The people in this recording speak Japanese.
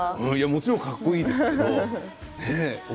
もちろんかっこいいですけれども。